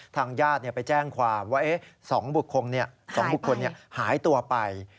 ทางญาติไปแจ้งความว่า๒บุคคลหายตัวไป